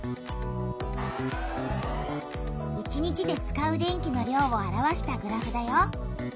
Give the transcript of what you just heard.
１日で使う電気の量を表したグラフだよ。